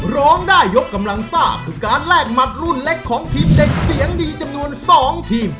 ร้องได้ยกกำลังซ่าคือการแลกหมัดรุ่นเล็กของทีมเด็กเสียงดีจำนวน๒ทีม